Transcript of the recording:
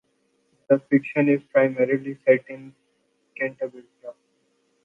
The fiction is primarily set in Cantabria.